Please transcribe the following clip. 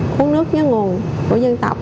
cuốn nước nhớ nguồn của dân tộc